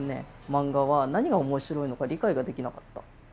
漫画は何が面白いのか理解ができなかった。